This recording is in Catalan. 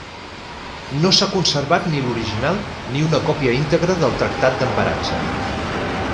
No s'ha conservat ni l'original ni una còpia integra del Tractat d'Emparança.